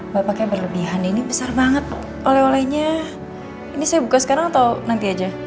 mbak pakai berlebihan ini besar banget oleh olehnya ini saya buka sekarang atau nanti aja